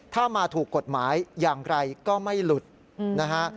ถ้ามาถูกกฎหมายอย่างไรก็ไม่หลุดนะฮะ